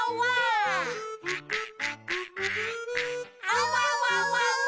「あわわわわ！」